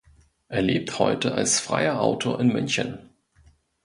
Er lebt heute als freier Autor in München.